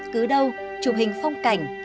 cứ đâu chụp hình phong cảnh